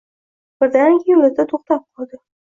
Birdaniga yoʻlida toʻxtab qoldi.